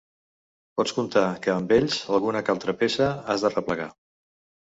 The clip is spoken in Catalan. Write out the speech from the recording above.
Pots comptar que amb ells alguna que altra peça has d'arreplegar.